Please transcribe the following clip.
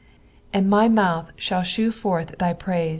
^' And my mouth ghaU theie forth thy praiK."